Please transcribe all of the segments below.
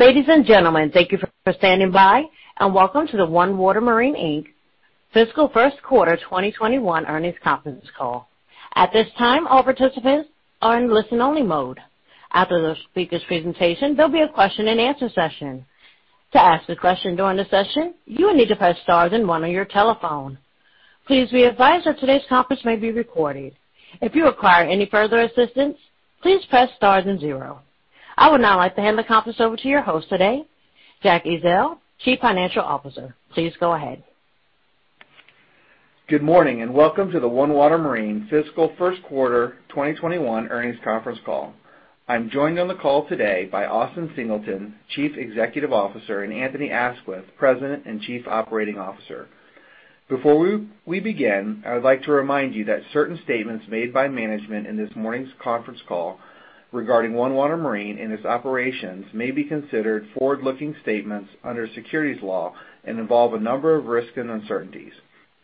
Ladies and gentlemen, thank you for standing by, and welcome to the OneWater Marine Inc. Fiscal First Quarter 2021 Earnings Conference Call. At this time, all participants are in listen only mode. After the speaker's presentation, there'll be a question and answer session. To ask a question during the session, you will need to press star then one on your telephone. Please be advised that today's conference may be recorded. If you require any further assistance, please press star then zero. I would now like to hand the conference over to your host today, Jack Ezzell, Chief Financial Officer. Please go ahead. Good morning, welcome to the OneWater Marine fiscal first quarter 2021 earnings conference call. I'm joined on the call today by Austin Singleton, Chief Executive Officer, and Anthony Aisquith, President and Chief Operating Officer. Before we begin, I would like to remind you that certain statements made by management in this morning's conference call regarding OneWater Marine and its operations may be considered forward-looking statements under securities law and involve a number of risks and uncertainties.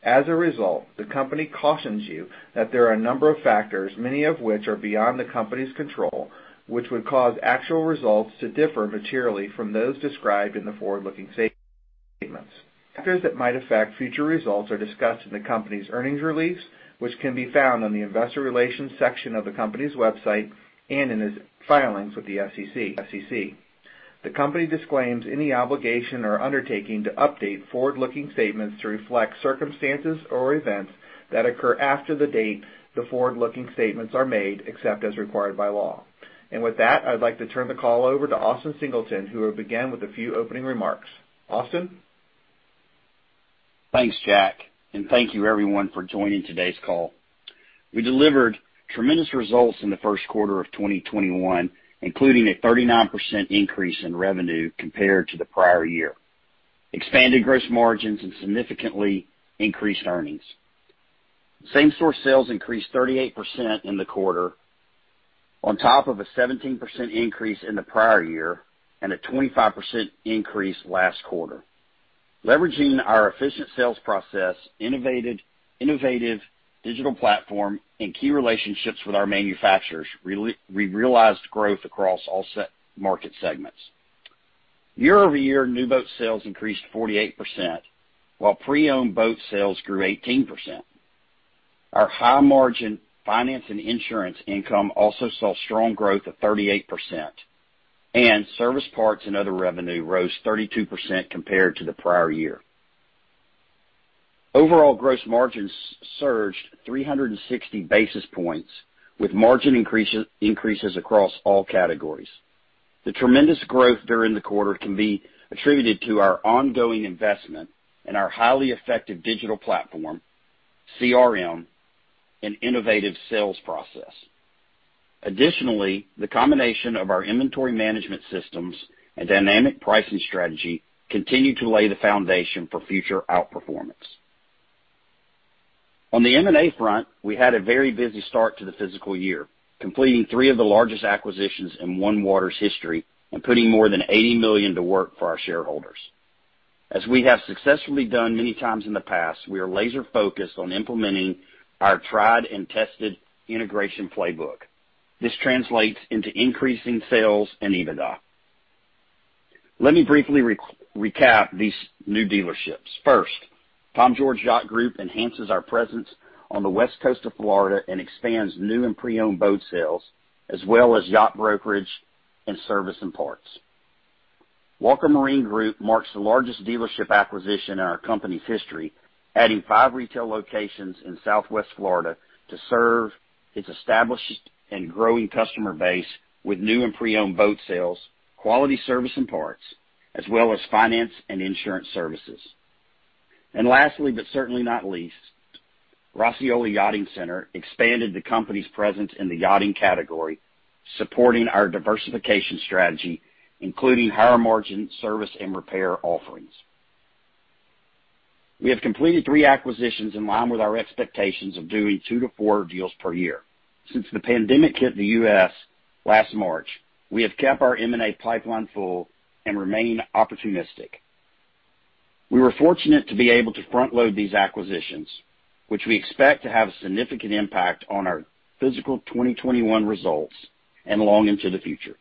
The company cautions you that there are a number of factors, many of which are beyond the company's control, which would cause actual results to differ materially from those described in the forward-looking statements. Factors that might affect future results are discussed in the company's earnings release, which can be found on the investor relations section of the company's website and in its filings with the SEC. The company disclaims any obligation or undertaking to update forward-looking statements to reflect circumstances or events that occur after the date the forward-looking statements are made, except as required by law. With that, I'd like to turn the call over to Austin Singleton, who will begin with a few opening remarks. Austin? Thanks, Jack, and thank you everyone for joining today's call. We delivered tremendous results in the first quarter of 2021, including a 39% increase in revenue compared to the prior year, expanded gross margins, and significantly increased earnings. Same-store sales increased 38% in the quarter on top of a 17% increase in the prior year and a 25% increase last quarter. Leveraging our efficient sales process, innovative digital platform, and key relationships with our manufacturers, we realized growth across all set market segments. Year-over-year, new boat sales increased 48%, while pre-owned boat sales grew 18%. Our high margin finance and insurance income also saw strong growth of 38%, and service parts and other revenue rose 32% compared to the prior year. Overall gross margins surged 360 basis points, with margin increases across all categories. The tremendous growth during the quarter can be attributed to our ongoing investment in our highly effective digital platform, CRM, and innovative sales process. Additionally, the combination of our inventory management systems and dynamic pricing strategy continue to lay the foundation for future outperformance. On the M&A front, we had a very busy start to the fiscal year, completing three of the largest acquisitions in OneWater's history and putting more than $80 million to work for our shareholders. As we have successfully done many times in the past, we are laser-focused on implementing our tried and tested integration playbook. This translates into increasing sales and EBITDA. Let me briefly recap these new dealerships. First, Tom George Yacht Group enhances our presence on the West Coast of Florida and expands new and pre-owned boat sales, as well as yacht brokerage and service and parts. Walker Marine Group marks the largest dealership acquisition in our company's history, adding five retail locations in Southwest Florida to serve its established and growing customer base with new and pre-owned boat sales, quality service and parts, as well as finance and insurance services. Lastly, but certainly not least, Roscioli Yachting Center expanded the company's presence in the yachting category, supporting our diversification strategy, including higher margin service and repair offerings. We have completed three acquisitions in line with our expectations of doing two to four deals per year. Since the pandemic hit the U.S. last March, we have kept our M&A pipeline full and remain opportunistic. We were fortunate to be able to front-load these acquisitions, which we expect to have a significant impact on our fiscal 2021 results and long into the future.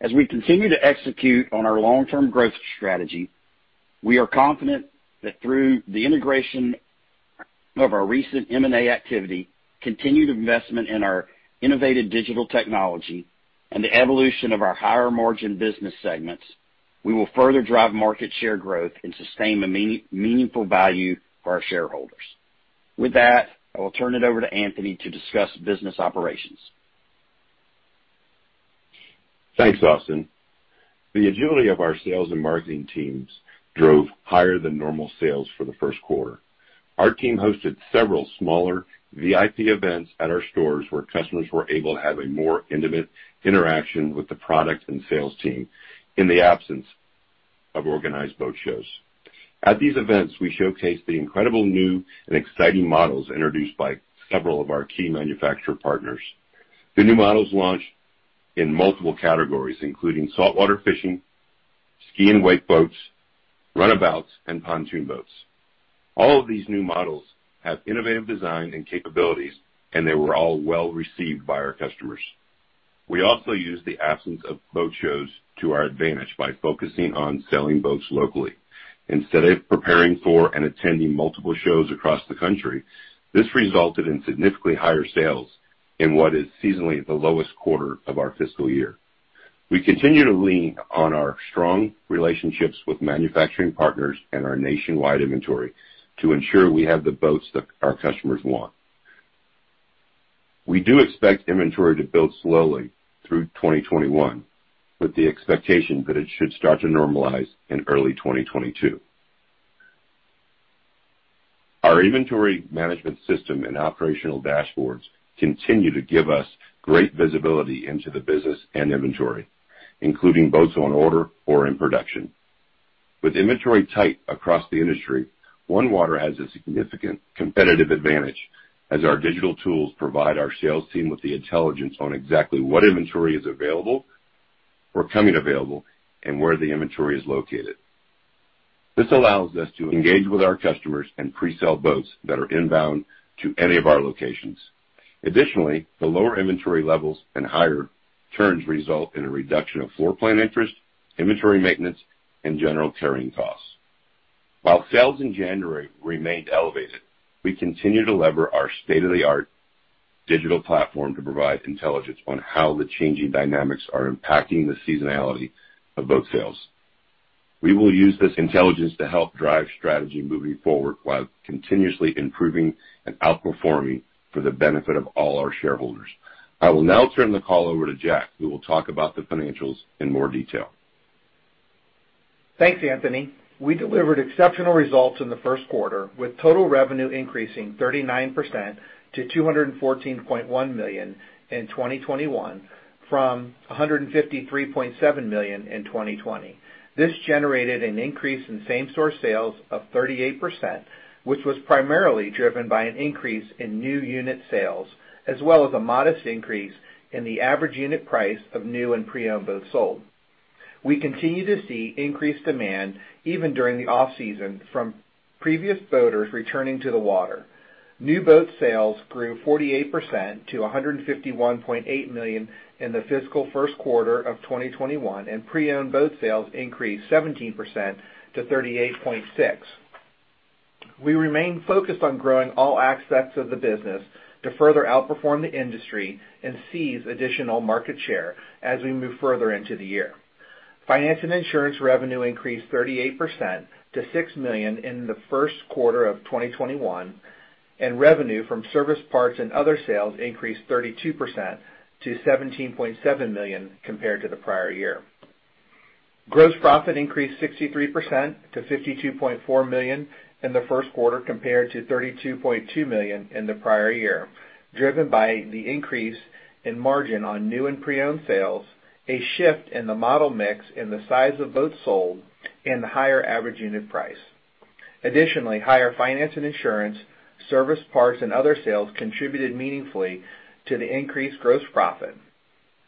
As we continue to execute on our long-term growth strategy, we are confident that through the integration of our recent M&A activity, continued investment in our innovative digital technology, and the evolution of our higher margin business segments, we will further drive market share growth and sustain a meaningful value for our shareholders. With that, I will turn it over to Anthony to discuss business operations. Thanks, Austin. The agility of our sales and marketing teams drove higher than normal sales for the first quarter. Our team hosted several smaller VIP events at our stores where customers were able to have a more intimate interaction with the product and sales team in the absence of organized boat shows. At these events, we showcased the incredible new and exciting models introduced by several of our key manufacturer partners. The new models launched in multiple categories, including saltwater fishing, ski and wake boats, runabouts, and pontoon boats. All of these new models have innovative design and capabilities. They were all well-received by our customers. We also used the absence of boat shows to our advantage by focusing on selling boats locally. Instead of preparing for and attending multiple shows across the country, this resulted in significantly higher sales in what is seasonally the lowest quarter of our fiscal year. We continue to lean on our strong relationships with manufacturing partners and our nationwide inventory to ensure we have the boats that our customers want. We do expect inventory to build slowly through 2021, with the expectation that it should start to normalize in early 2022. Our inventory management system and operational dashboards continue to give us great visibility into the business and inventory, including boats on order or in production. With inventory tight across the industry, OneWater has a significant competitive advantage as our digital tools provide our sales team with the intelligence on exactly what inventory is available or coming available, and where the inventory is located. This allows us to engage with our customers and pre-sell boats that are inbound to any of our locations. Additionally, the lower inventory levels and higher turns result in a reduction of floor plan interest, inventory maintenance, and general carrying costs. While sales in January remained elevated, we continue to lever our state-of-the-art digital platform to provide intelligence on how the changing dynamics are impacting the seasonality of boat sales. We will use this intelligence to help drive strategy moving forward while continuously improving and outperforming for the benefit of all our shareholders. I will now turn the call over to Jack, who will talk about the financials in more detail. Thanks, Anthony. We delivered exceptional results in the first quarter, with total revenue increasing 39% to $214.1 million in 2021 from $153.7 million in 2020. This generated an increase in same-store sales of 38%, which was primarily driven by an increase in new unit sales, as well as a modest increase in the average unit price of new and pre-owned boats sold. We continue to see increased demand even during the off-season from previous boaters returning to the water. New boat sales grew 48% to $151.8 million in the fiscal first quarter of 2021, and pre-owned boat sales increased 17% to $38.6 million. We remain focused on growing all aspects of the business to further outperform the industry and seize additional market share as we move further into the year. Finance and insurance revenue increased 38% to $6 million in the first quarter of 2021, and revenue from service parts and other sales increased 32% to $17.7 million compared to the prior year. Gross profit increased 63% to $52.4 million in the first quarter compared to $32.2 million in the prior year, driven by the increase in margin on new and pre-owned sales, a shift in the model mix in the size of boats sold, and the higher average unit price. Additionally, higher finance and insurance, service parts, and other sales contributed meaningfully to the increased gross profit.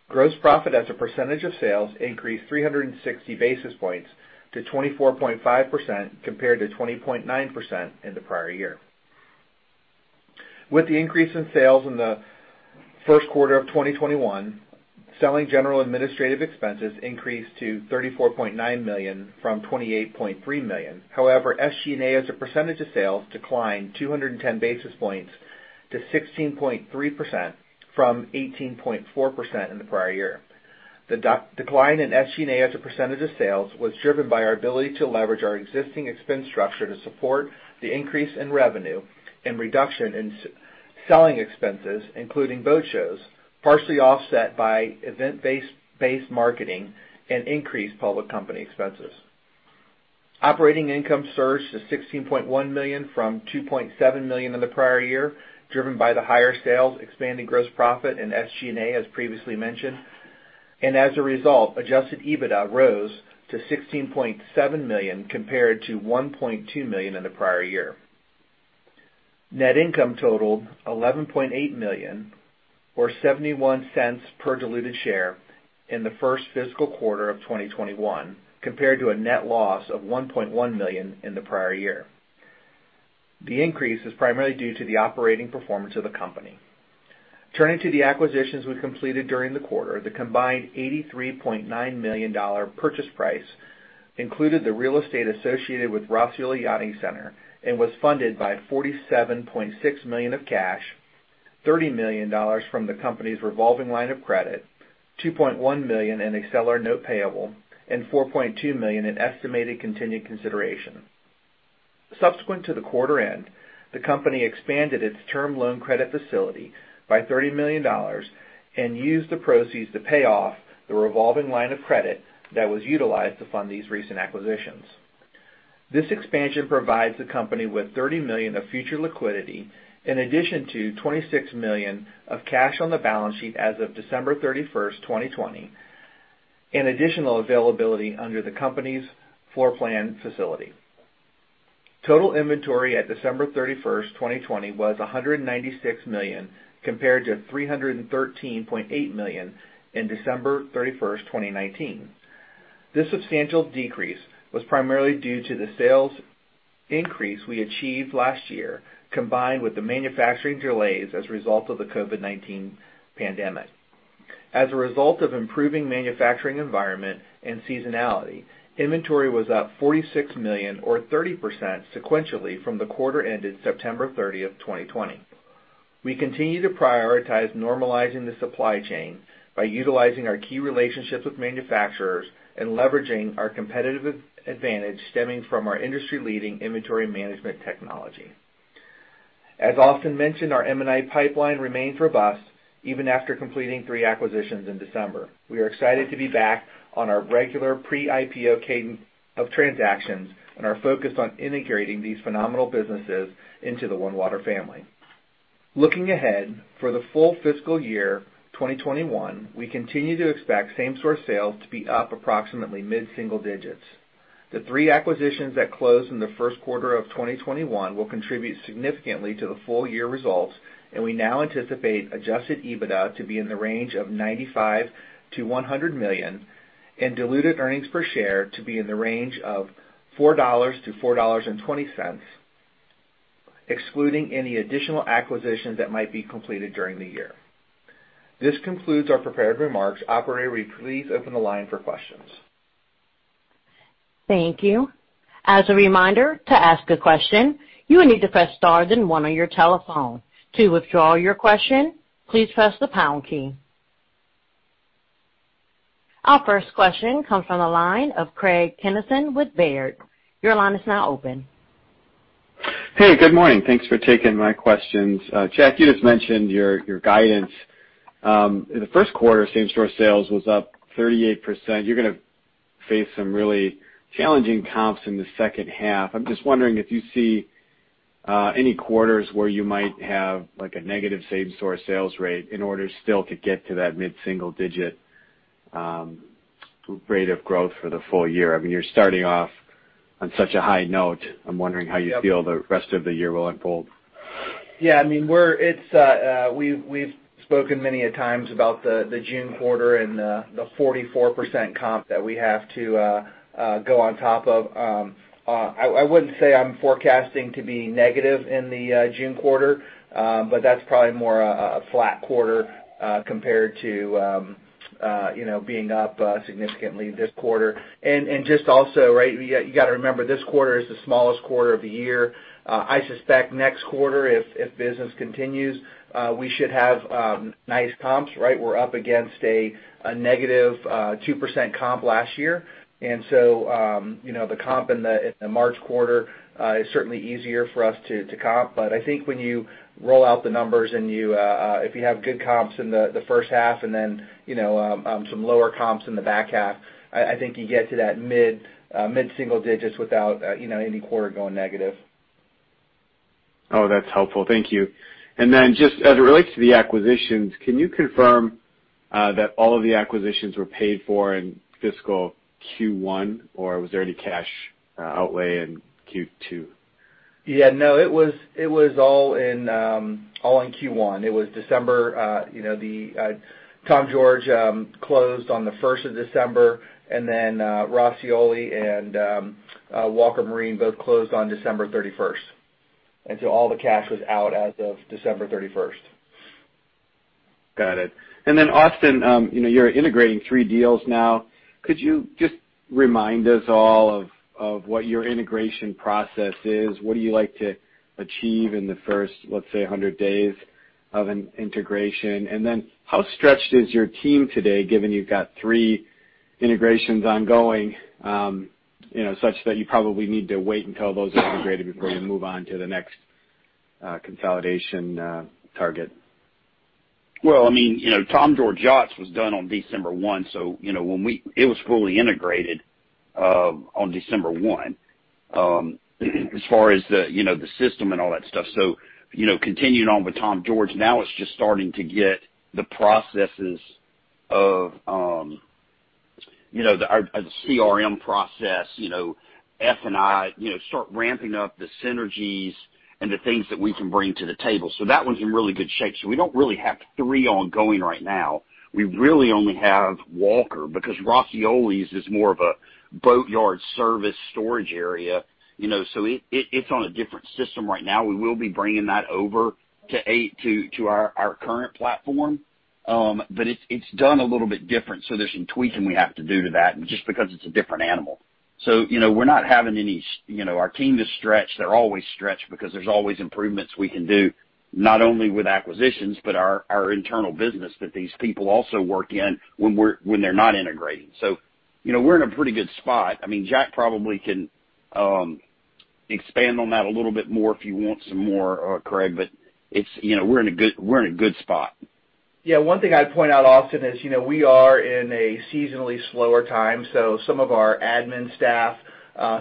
Gross profit as a percentage of sales increased 360 basis points to 24.5% compared to 20.9% in the prior year. With the increase in sales in the first quarter of 2021, selling general administrative expenses increased to $34.9 million from $28.3 million. However, SG&A as a percentage of sales declined 210 basis points to 16.3% from 18.4% in the prior year. The decline in SG&A as a percentage of sales was driven by our ability to leverage our existing expense structure to support the increase in revenue and reduction in selling expenses, including boat shows, partially offset by event-based marketing and increased public company expenses. Operating income surged to $16.1 million from $2.7 million in the prior year, driven by the higher sales, expanding gross profit and SG&A, as previously mentioned. As a result, adjusted EBITDA rose to $16.7 million compared to $1.2 million in the prior year. Net income totaled $11.8 million or $0.71 per diluted share in the first fiscal quarter of 2021 compared to a net loss of $1.1 million in the prior year. The increase is primarily due to the operating performance of the company. Turning to the acquisitions we completed during the quarter, the combined $83.9 million purchase price included the real estate associated with Roscioli Yachting Center and was funded by $47.6 million of cash, $30 million from the company's revolving line of credit, $2.1 million in accelerated note payable, and $4.2 million in estimated contingent consideration. Subsequent to the quarter end, the company expanded its term loan credit facility by $30 million and used the proceeds to pay off the revolving line of credit that was utilized to fund these recent acquisitions. This expansion provides the company with $30 million of future liquidity in addition to $26 million of cash on the balance sheet as of December 31st, 2020, and additional availability under the company's floor plan facility. Total inventory at December 31st, 2020 was $196 million, compared to $313.8 million in December 31st, 2019. This substantial decrease was primarily due to the sales increase we achieved last year, combined with the manufacturing delays as a result of the COVID-19 pandemic. As a result of improving manufacturing environment and seasonality, inventory was up $46 million or 30% sequentially from the quarter ended September 30th, 2020. We continue to prioritize normalizing the supply chain by utilizing our key relationships with manufacturers and leveraging our competitive advantage stemming from our industry-leading inventory management technology. As often mentioned, our M&A pipeline remains robust even after completing three acquisitions in December. We are excited to be back on our regular pre-IPO cadence of transactions and are focused on integrating these phenomenal businesses into the OneWater family. Looking ahead, for the full fiscal year 2021, we continue to expect same-store sales to be up approximately mid-single digits. The three acquisitions that closed in the first quarter of 2021 will contribute significantly to the full year results, and we now anticipate adjusted EBITDA to be in the range of $95 million to $100 million and diluted earnings per share to be in the range of $4 to $4.20, excluding any additional acquisitions that might be completed during the year. This concludes our prepared remarks. Operator, will you please open the line for questions? Thank you. As a reminder, to ask a question, you will need to press star then one on your telephone. To withdraw your question, please press the pound key. Our first question comes from the line of Craig Kennison with Baird. Your line is now open. Hey, good morning. Thanks for taking my questions. Jack, you just mentioned your guidance. In the first quarter, same-store sales was up 38%. You're going to face some really challenging comps in the second half. I'm just wondering if you see any quarters where you might have a negative same-store sales rate in order still to get to that mid-single digit rate of growth for the full year. I mean, you're starting off on such a high note. I'm wondering how you feel the rest of the year will unfold. Yeah. We've spoken many a times about the June quarter and the 44% comp that we have to go on top of. I wouldn't say I'm forecasting to be negative in the June quarter, but that's probably more a flat quarter compared to being up significantly this quarter. Just also, you got to remember, this quarter is the smallest quarter of the year. I suspect next quarter, if business continues, we should have nice comps. We're up against a negative 2% comp last year. The comp in the March quarter is certainly easier for us to comp. I think when you roll out the numbers, and if you have good comps in the first half and then some lower comps in the back half, I think you get to that mid-single digits without any quarter going negative. Oh, that's helpful. Thank you. Just as it relates to the acquisitions, can you confirm that all of the acquisitions were paid for in fiscal Q1, or was there any cash outlay in Q2? Yeah, no. It was all in Q1. It was December. Tom George closed on the first of December, and then Roscioli and Walker Marine both closed on December 31st. So all the cash was out as of December 31st. Got it. Austin, you're integrating three deals now. Could you just remind us all of what your integration process is? What do you like to achieve in the first, let's say, 100 days of an integration? How stretched is your team today, given you've got three integrations ongoing, such that you probably need to wait until those are integrated before you move on to the next consolidation target? Well, Tom George Yacht Group was done on December 1. It was fully integrated on December 1, as far as the system and all that stuff. Continuing on with Tom George, now it's just starting to get the processes of the CRM process, F&I, start ramping up the synergies and the things that we can bring to the table. That one's in really good shape. We don't really have three ongoing right now. We really only have Walker, because Roscioli's is more of a boatyard service storage area. It's on a different system right now. We will be bringing that over to our current platform. It's done a little bit different, so there's some tweaking we have to do to that, and just because it's a different animal. Our team is stretched. They're always stretched because there's always improvements we can do, not only with acquisitions, but our internal business that these people also work in when they're not integrating. We're in a pretty good spot. Jack probably can expand on that a little bit more if you want some more, Craig, but we're in a good spot. Yeah, one thing I'd point out, Austin, is we are in a seasonally slower time. Some of our admin staff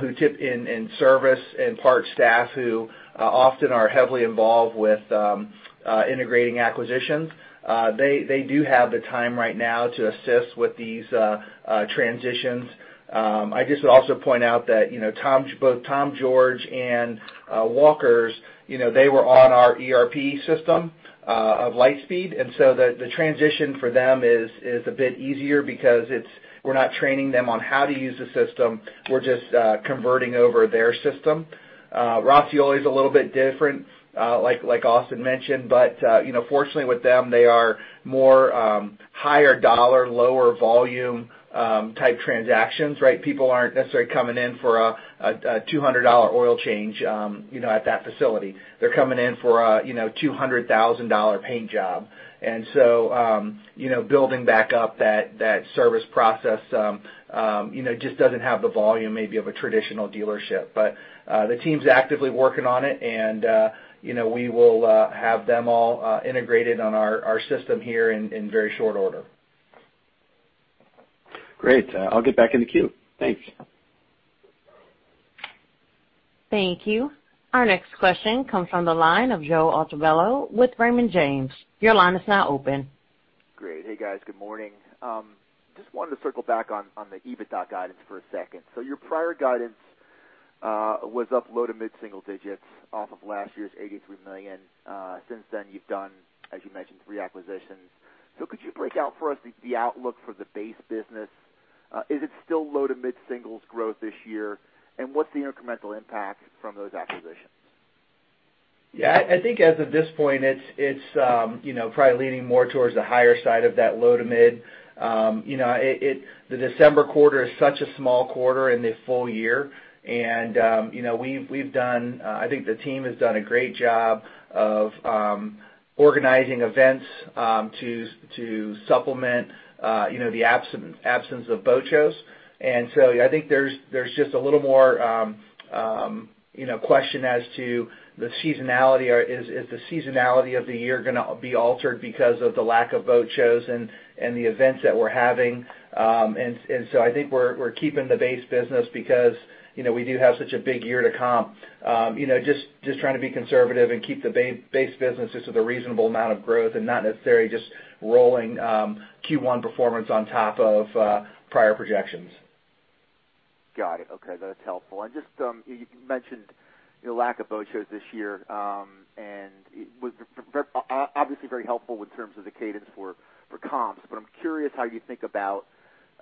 who tip in service and part staff who often are heavily involved with integrating acquisitions, they do have the time right now to assist with these transitions. I guess I'd also point out that both Tom George and Walkers, they were on our ERP system of Lightspeed, and so the transition for them is a bit easier because we're not training them on how to use the system, we're just converting over their system. Roscioli is a little bit different, like Austin mentioned, but fortunately with them, they are more higher dollar, lower volume type transactions, right? People aren't necessarily coming in for a $200 oil change at that facility. They're coming in for a $200,000 paint job. Building back up that service process just doesn't have the volume, maybe, of a traditional dealership. The team's actively working on it and we will have them all integrated on our system here in very short order. Great. I'll get back in the queue. Thanks. Thank you. Our next question comes from the line of Joe Altobello with Raymond James. Your line is now open. Great. Hey, guys. Good morning. Just wanted to circle back on the EBITDA guidance for a second. Your prior guidance was up low to mid-single digits off of last year's $83 million. Since then, you've done, as you mentioned, three acquisitions. Could you break out for us the outlook for the base business? Is it still low to mid-singles growth this year? What's the incremental impact from those acquisitions? Yeah, I think as of this point, it's probably leaning more towards the higher side of that low to mid. The December quarter is such a small quarter in the full year, and I think the team has done a great job of organizing events to supplement the absence of boat shows. I think there's just a little more question as to the seasonality. Is the seasonality of the year going to be altered because of the lack of boat shows and the events that we're having? I think we're keeping the base business because we do have such a big year to comp. Just trying to be conservative and keep the base business just with a reasonable amount of growth and not necessarily just rolling Q1 performance on top of prior projections. Got it. Okay. That's helpful. Just, you mentioned the lack of boat shows this year, and it was obviously very helpful in terms of the cadence for comps, but I'm curious how you think about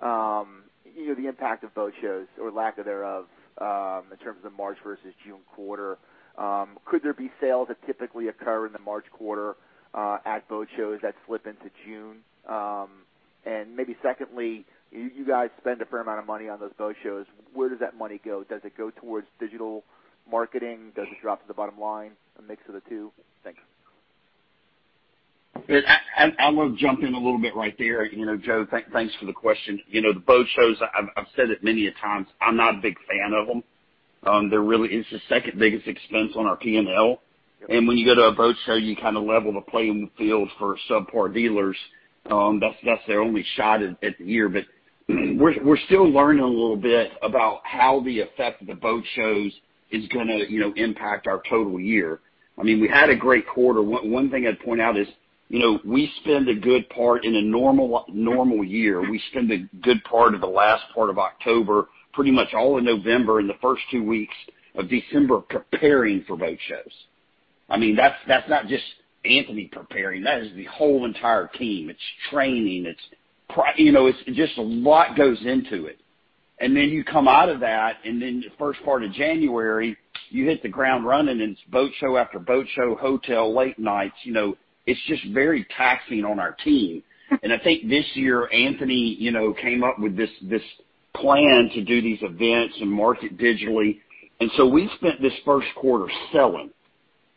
the impact of boat shows or lack thereof in terms of March versus June quarter. Could there be sales that typically occur in the March quarter at boat shows that slip into June? Maybe secondly, you guys spend a fair amount of money on those boat shows. Where does that money go? Does it go towards digital marketing? Does it drop to the bottom line? A mix of the two? Thanks. I want to jump in a little bit right there. Joe, thanks for the question. The boat shows, I've said it many a times, I'm not a big fan of them. It's the second biggest expense on our P&L. When you go to a boat show, you kind of level the playing field for subpar dealers. That's their only shot at the year. We're still learning a little bit about how the effect of the boat shows is going to impact our total year. I mean, we had a great quarter. One thing I'd point out is, in a normal year, we spend a good part of the last part of October, pretty much all of November, and the first two weeks of December preparing for boat shows. I mean, that's not just Anthony preparing. That is the whole entire team. It's training. Just a lot goes into it. You come out of that, the first part of January, you hit the ground running, and it's boat show after boat show, hotel, late nights. It's just very taxing on our team. I think this year, Anthony came up with this plan to do these events and market digitally. We spent this first quarter selling.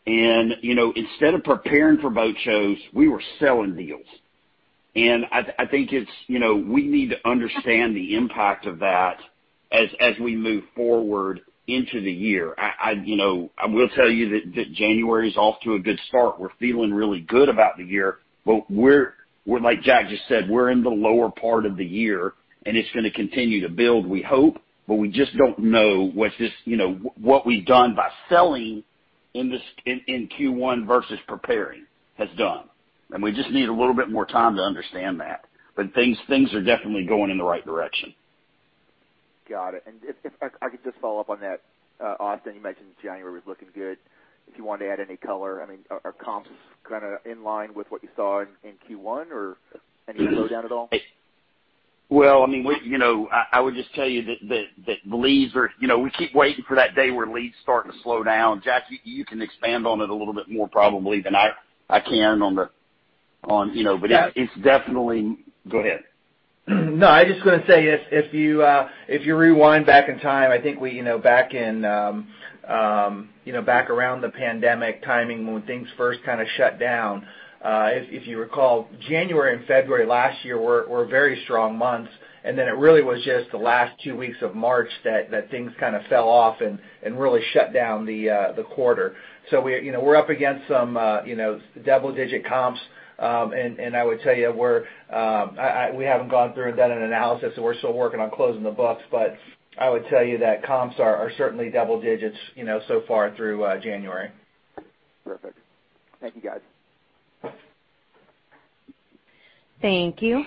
Instead of preparing for boat shows, we were selling deals. I think we need to understand the impact of that as we move forward into the year. I will tell you that January is off to a good start. We're feeling really good about the year, but like Jack just said, we're in the lower part of the year, and it's going to continue to build, we hope, but we just don't know what we've done by selling in Q1 versus preparing has done. We just need a little bit more time to understand that. Things are definitely going in the right direction. Got it. If I could just follow up on that, Austin, you mentioned January was looking good. If you wanted to add any color, I mean, are comps kind of in line with what you saw in Q1 or any slowdown at all? Well, I would just tell you that we keep waiting for that day where leads start to slow down. Jack, you can expand on it a little bit more probably than I can. Yeah. It's definitely. Go ahead. No, I was just going to say, if you rewind back in time, I think back around the pandemic timing, when things first kind of shut down, if you recall, January and February last year were very strong months, and then it really was just the last two weeks of March that things kind of fell off and really shut down the quarter. We're up against some double-digit comps, and I would tell you, we haven't gone through and done an analysis, and we're still working on closing the books, but I would tell you that comps are certainly double digits so far through January. Perfect. Thank you, guys. Thank you.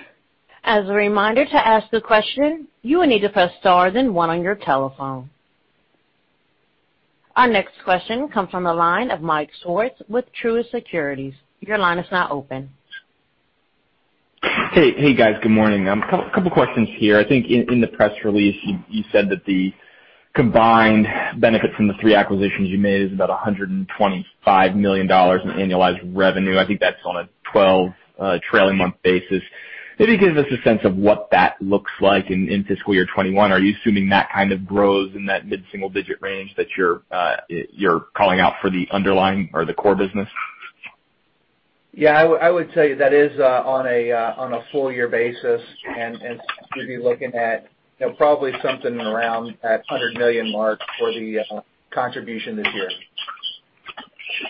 As a reminder, to ask the question, you will need to press star then one on your telephone. Our next question comes from the line of Mike Swartz with Truist Securities. Your line is now open. Hey, guys. Good morning. A couple of questions here. I think in the press release, you said that the combined benefit from the three acquisitions you made is about $125 million in annualized revenue. I think that's on a 12 trailing-month basis. Maybe give us a sense of what that looks like in fiscal year 2021. Are you assuming that kind of grows in that mid-single-digit range that you're calling out for the underlying or the core business? Yeah, I would say that is on a full year basis, and you'd be looking at probably something around that $100 million mark for the contribution this year.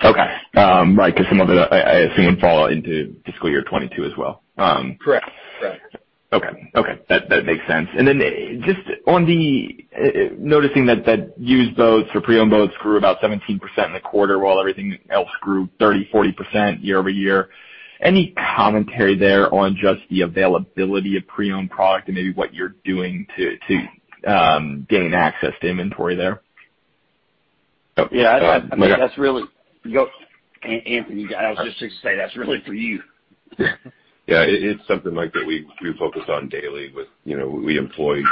Okay. Right, because some of it I assume fall into fiscal year 2022 as well. Correct. Okay. That makes sense. Just noticing that used boats or pre-owned boats grew about 17% in the quarter while everything else grew 30%, 40% year-over-year. Any commentary there on just the availability of pre-owned product and maybe what you're doing to gain access to inventory there? Yeah. I mean, that's really Anthony, I was just going to say that's really for you. Yeah. It's something, Mike, that we focus on daily with employees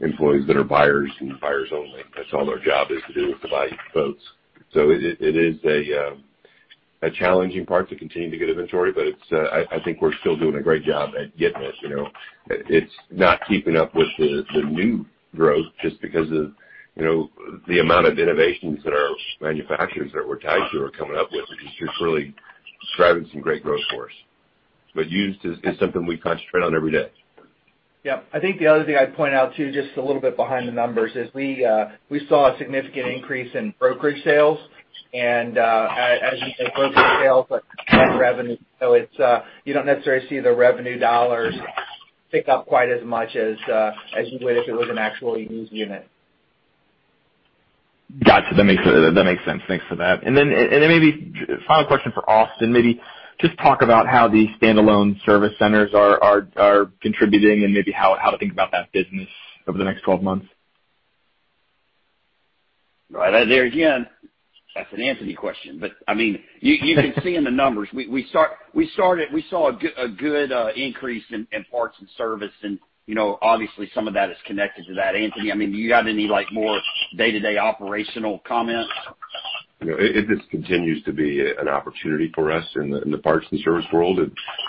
that are buyers and buyers only. That's all their job is to do is to buy boats. It is a challenging part to continue to get inventory. I think we're still doing a great job at getting it. It's not keeping up with the new growth just because of the amount of innovations that our manufacturers or Tiara Yachts are coming up with, which is just really driving some great growth for us. Used is something we concentrate on every day. Yeah. I think the other thing I'd point out, too, just a little bit behind the numbers, is we saw a significant increase in brokerage sales. As you said, brokerage sales are revenue. You don't necessarily see the revenue dollars tick up quite as much as you would if it was an actual used unit. Got you. That makes sense. Thanks for that. Maybe final question for Austin. Maybe just talk about how the standalone service centers are contributing and maybe how to think about that business over the next 12 months. Right. There again, that's an Anthony question, but you can see in the numbers. We saw a good increase in parts and service and obviously some of that is connected to that. Anthony, do you have any more day-to-day operational comments? It just continues to be an opportunity for us in the parts and service world.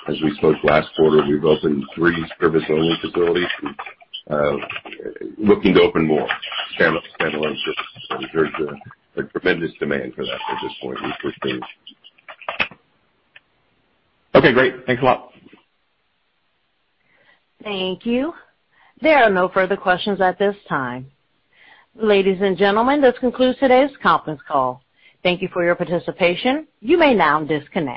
As we spoke last quarter, we've opened three service-only facilities. We're looking to open more standalone services. There's a tremendous demand for that at this point. We foresee. Okay, great. Thanks a lot. Thank you. There are no further questions at this time. Ladies and gentlemen, this concludes today's conference call. Thank you for your participation. You may now disconnect.